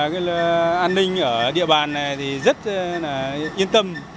cái là an ninh ở địa bàn này thì rất yên tâm